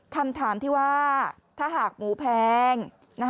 คำถามที่ว่าถ้าหากหมูแพง